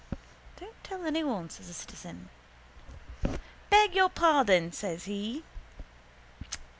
—Don't tell anyone, says the citizen. —Beg your pardon, says he.